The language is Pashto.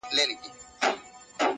د ملالۍ له پلوونو سره لوبي کوي-